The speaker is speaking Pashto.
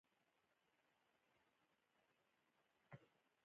بال باید د پيچ پر سر راوغورځول سي.